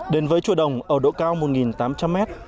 đến với chùa đồng ở độ cao một tám trăm linh m